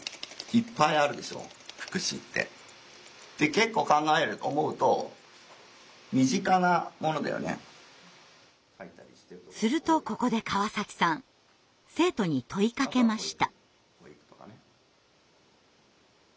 結構考えると思うとするとここで川崎さん生徒に問いかけました。